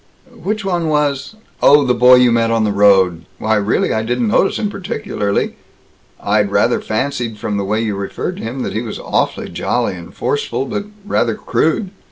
"Which one was Oh, the boy you met on the road? Why, really, I didn't notice him particularly. I'd rather fancied from the way you referred to him that he was awfully jolly and forceful, but rather crude.